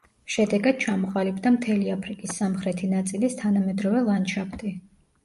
შედეგად ჩამოყალიბდა მთელი აფრიკის სამხრეთი ნაწილის თანამედროვე ლანდშაფტი.